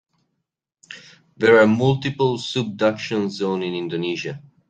There are multiple subduction zones in Indonesia.